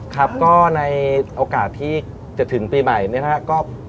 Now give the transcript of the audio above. ครับก็ในโอกาสที่จะถึงปีใหม่เนี่ยนะครับ